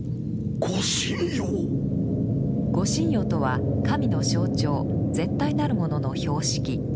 ご神輿とは神の象徴絶対なるものの標識。